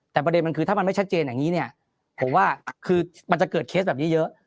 แต่ประเด็นมันคือถ้ามันไม่ชัดเจนอย่างนี้เนี่ยผมว่าคือมันจะเกิดเคสแบบนี้เยอะ